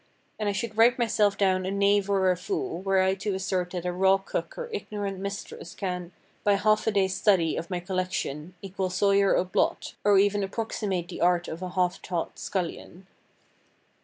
And I should write myself down a knave or a fool, were I to assert that a raw cook or ignorant mistress can, by half a day's study of my collection, equal Soyer or Blot, or even approximate the art of a half taught scullion.